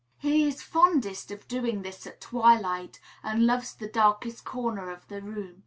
He is fondest of doing this at twilight, and loves the darkest corner of the room.